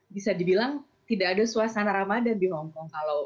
bisa dibilang tidak ada suasana ramadan di hongkong